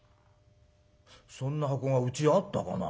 そんな箱がうちにあったかな？